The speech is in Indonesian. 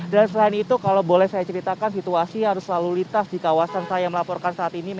dan selain itu kalau boleh saya ceritakan situasi harus selalu lintas di kawasan saya melaporkan saat ini